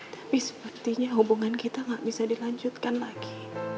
tapi sepertinya hubungan kita gak bisa dilanjutkan lagi